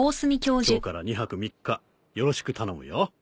今日から２泊３日よろしく頼むよ。